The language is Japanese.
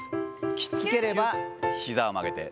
きつければひざを曲げて。